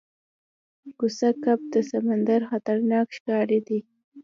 کوسه کب د سمندر خطرناک ښکاری دی